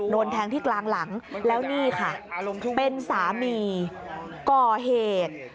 โดนแทงที่กลางหลังแล้วนี่ค่ะเป็นสามีก่อเหตุ